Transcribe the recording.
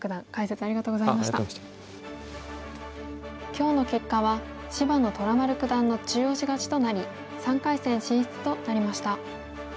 今日の結果は芝野虎丸九段の中押し勝ちとなり３回戦進出となりました。